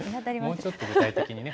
もうちょっと具体的にね。